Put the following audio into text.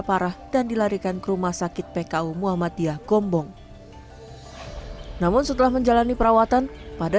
parah dan dilarikan ke rumah sakit pku muhammadiyah gombong namun setelah menjalani perawatan pada